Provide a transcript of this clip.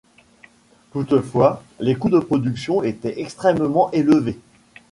Toutefois, les coûts de production étaient extrêmement élevés.